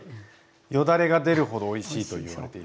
よだれが出るほどおいしいと言われている。